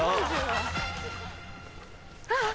あっ！